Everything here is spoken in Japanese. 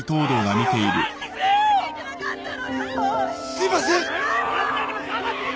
すいません